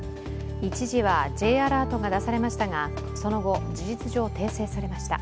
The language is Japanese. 一時はＪアラートが出されましたが、事実上、訂正されました。